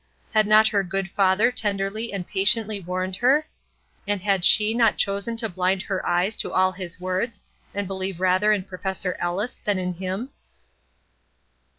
Had not her good father tenderly and patiently warned her? and had she not chosen to blind her eyes to all his words, and believe rather in Professor Ellis than in him?